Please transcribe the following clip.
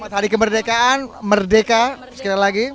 hari kemerdekaan merdeka sekali lagi